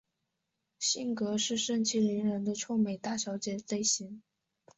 性格是盛气凌人的臭美大小姐类型。